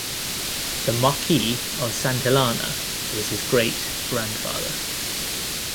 The Marquis of Santillana was his great-grandfather.